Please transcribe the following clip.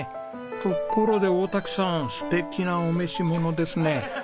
ところで大滝さん素敵なお召しものですね！